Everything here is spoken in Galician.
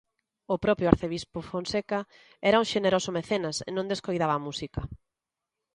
O propio arcebispo Fonseca era un xeneroso mecenas, e non descoidaba a música.